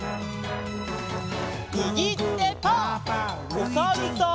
おさるさん。